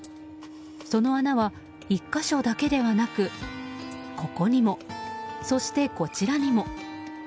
その穴は１か所だけではなくここにも、そしてこちらにも。